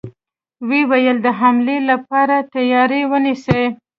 و يې ويل: د حملې له پاره تياری ونيسئ!